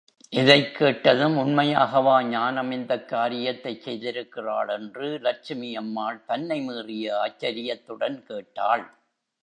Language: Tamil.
இதைக் கேட்டதும், உண்மையாகவா ஞானம் இந்தக் காரியத்தைச் செய்திருக்கிறாள்? என்று லட்சுமி அம்மாள் தன்னை மீறிய ஆச்சரியத்துடன் கேட்டாள்.